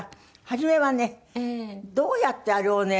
初めはねどうやってあれをね